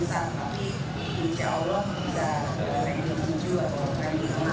tapi insya allah bisa lebih ke tujuh atau lebih ke enam